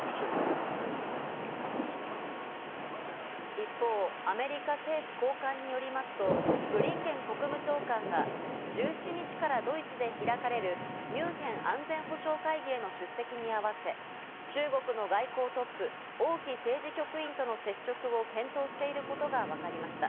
一方、アメリカ政府高官によりますと、ブリンケン国務長官が１７日からドイツで開かれるミュンヘン安全保障会議への出席に合わせ、中国の外交トップ、オウ・キ政治局員との接触を検討していることがわかりました。